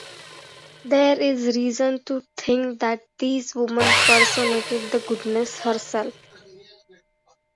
There is reason to think that these women personated the goddess herself.